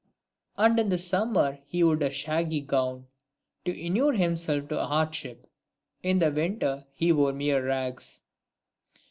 251 And in the summer he'd a shaggy gown, To inure himself to hardship : in the winter He wore mere rags.